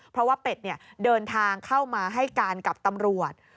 เพราะว่าเป็ดเดินทางเข้ามาให้การกับตำรวจ